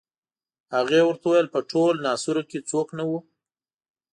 هغې ورته وویل په ټول ناصرو کې څوک نه وو.